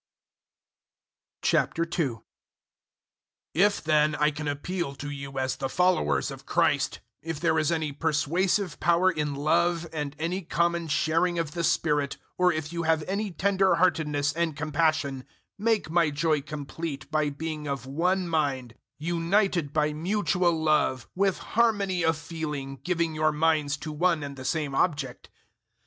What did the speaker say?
002:001 If then I can appeal to you as the followers of Christ, if there is any persuasive power in love and any common sharing of the Spirit, or if you have any tender heartedness and compassion, make my joy complete by being of one mind, 002:002 united by mutual love, with harmony of feeling giving your minds to one and the same object.